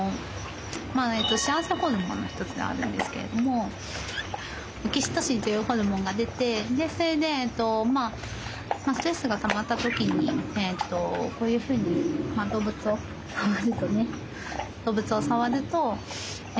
幸せホルモンの一つがあるんですけれどもオキシトシンというホルモンが出てそれでストレスがたまった時にこういうふうに動物を触るとね